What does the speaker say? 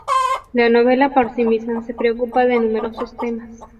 La novela por sí misma se preocupa de numerosos temas.